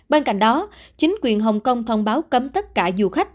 bên cạnh đó chính quyền hồng kông thông báo cấm tất cả du khách